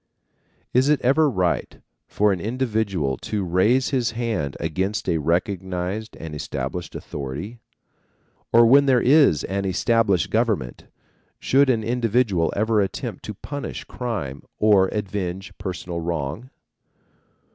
Is it ever right, for an individual to raise his hand against a recognized and established authority? Or, when there is an established government, should an individual ever attempt to punish crime or avenge personal wrong?